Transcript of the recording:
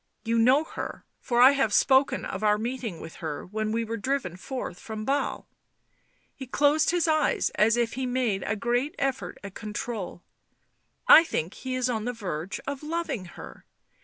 You know her, for I have spoken of our meeting with her when tve were driven forth from Basle." He closed his eyes, as if he made a great effort at control. " I think he is on the verge of loving her."